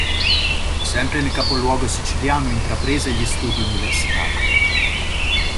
Sempre nel capoluogo siciliano intraprese gli studi universitari.